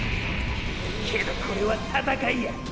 けどこれは戦いや！